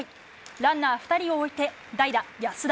ランナー２人を置いて代打・安田。